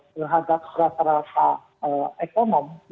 terhadap rata rata ekonomi